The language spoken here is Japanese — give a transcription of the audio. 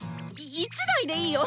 １台でいいよ！